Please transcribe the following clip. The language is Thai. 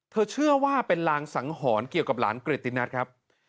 เชื่อว่าเป็นรางสังหรณ์เกี่ยวกับหลานเกรตินัทครับ